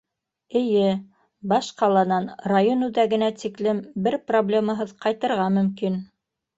Эйе, баш ҡаланан район үҙәгенә тиклем бер проблемаһыҙ ҡайтырға мөмкин.